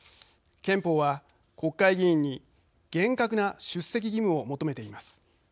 憲法は、国会議員に厳格な出席義務を求めています。